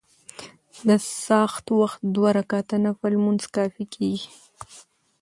د څاښت وخت دوه رکعته نفل لمونځ کافي کيږي .